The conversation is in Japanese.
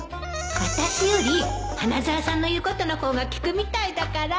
私より花沢さんの言うことの方が聞くみたいだから